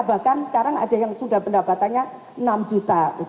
bahkan sekarang ada yang sudah pendapatannya enam juta